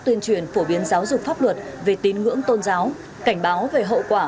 tuyên truyền phổ biến giáo dục pháp luật về tin ngưỡng tôn giáo cảnh báo về hậu quả